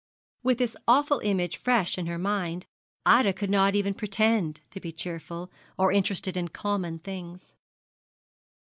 With this awful image fresh in her mind, Ida could not even pretend to be cheerful, or interested in common things.